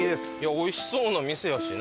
美味しそうな店やしな。